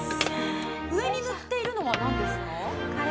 上に塗っているのは何ですか。